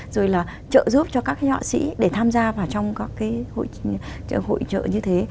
rồi là trợ giúp cho các cái họa sĩ để tham gia vào trong các cái hội trợ như thế